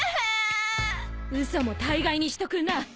嘘も大概にしとくんな！